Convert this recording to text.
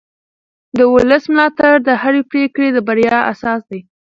د ولس ملاتړ د هرې پرېکړې د بریا اساس دی